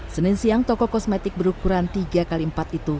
senin siang toko kosmetik berukuran tiga x empat itu